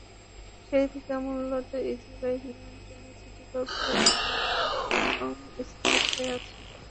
সেই থেকে মূলত ইজিবাইক নিয়ন্ত্রণে সিটি করপোরেশনের কার্যক্রম স্থবির হয়ে আছে।